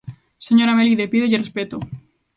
Señora Melide, pídolle respecto.